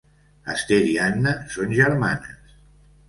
Ester i Anna són germanes.